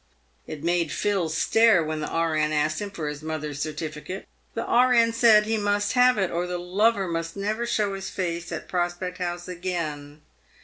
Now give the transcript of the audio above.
It made Phil stare when the E.N. asked him for his mother's cer tificate. The E.N. said he must have it, or the lover must never show his face at Prospect House again.